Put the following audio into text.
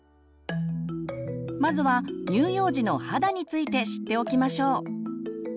まずは乳幼児の肌について知っておきましょう。